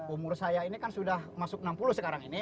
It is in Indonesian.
umur saya ini kan sudah masuk enam puluh sekarang ini